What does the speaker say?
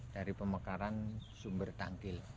dari pemekaran sumber tangil